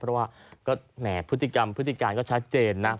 เพราะว่าผู้ติดกรรมผู้ติดการก็ชัดเจนนะ